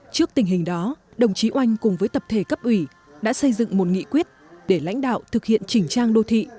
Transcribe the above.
trước tình hình đó đồng chí oanh cùng với tập thể cấp ủy đã xây dựng một nghị quyết để lãnh đạo thực hiện chỉnh trang đô thị